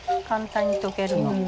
簡単に溶けるの。